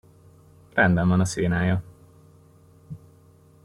Rendben van a szénája.